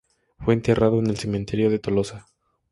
Fue enterrado en el cementerio de Tolosa.